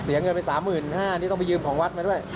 เหลียงเงินไป๓๕๐๐๐บาทนี่ต้องไปยืมของวัดไหมด้วย